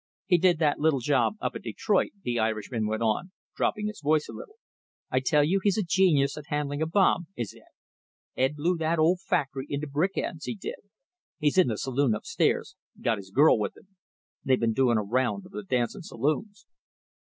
"He did that little job up at Detroit," the Irishman went on, dropping his voice a little. "I tell you he's a genius at handling a bomb, is Ed. Blew that old factory into brick ends, he did. He's in the saloon upstairs got his girl with him. They've been doing a round of the dancing saloons."